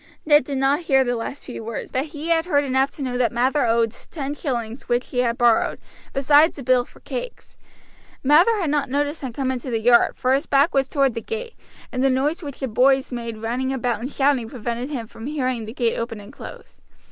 Ned did not hear the last few words, but he had heard enough to know that Mather owed ten shillings which he had borrowed, besides a bill for cakes. Mather had not noticed him come into the yard, for his back was toward the gate, and the noise which the boys made running about and shouting prevented him hearing the gate open and close.